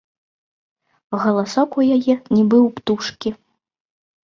Галасок у яе, нібы ў птушкі.